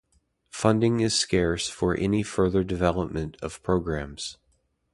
Funding is scarce for any further development of programs.